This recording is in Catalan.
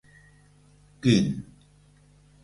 Quin